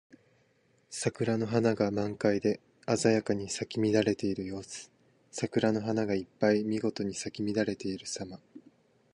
桜の花が満開で鮮やかに咲き乱れている様子。桜の花がいっぱいにみごとに咲き乱れているさま。